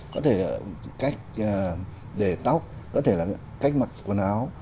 có thể cách để tóc có thể là cách mặc quần áo